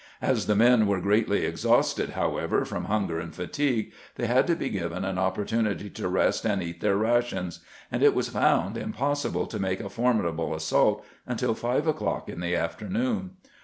As the men were 168 CAMPAIGNING WITH GRANT greatly exhausted, however, from hunger and fatigue, they had to be given an opportunity to rest and eat their rations, and it was found impossible to make a formidable assault until five o'clock in the afternoon.